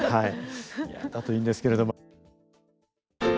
いやだといいんですけれども。